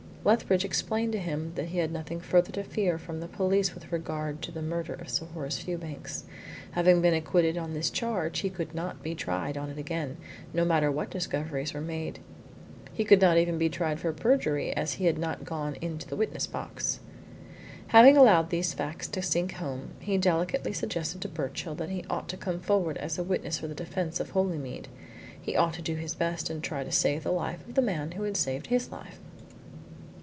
Lethbridge explained to him that he had nothing further to fear from the police with regard to the murder of Sir Horace Fewbanks. Having been acquitted on this charge he could not be tried on it again, no matter what discoveries were made. He could not even be tried for perjury, as he had not gone into the witness box. Having allowed these facts to sink home, he delicately suggested to Birchill that he ought to come forward as a witness for the defence of Holymead he ought to do his best to try and save the life of the man who had saved his life.